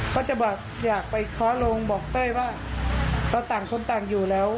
เขาจะบอกอยากไปเคาะลงบอกเต้ยว่าเราต่างคนต่างอยู่แล้ว